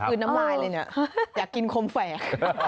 คือน้ำลายเลยเนี่ยอยากกินคมแฝก